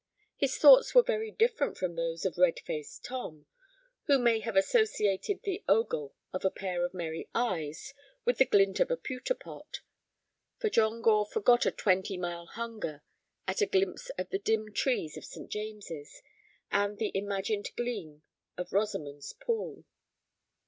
His thoughts were very different from those of red faced Tom, who may have associated the ogle of a pair of merry eyes with the glint of a pewter pot; for John Gore forgot a twenty mile hunger at a glimpse of the dim trees of St. James's and the imagined gleam of Rosamond's Pool.